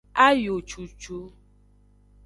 Ayo cucu.